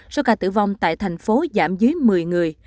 số ca tử vong tại thành phố giảm dưới một mươi người